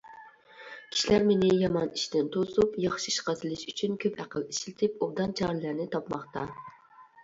كىشىلەر مېنى يامان ئىشتىن توسۇپ، ياخشى ئىشقا سېلىش ئۈچۈن كۆپ ئەقىل ئىشلىتىپ، ئوبدان چارىلەرنى تاپماقتا.